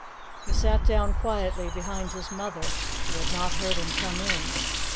He sat down quietly behind his mother, who had not heard him come in.